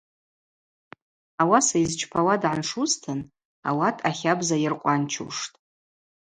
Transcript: Ауаса йызчпауа дгӏаншузтын, ауат ахабза йаркъванчуштӏ.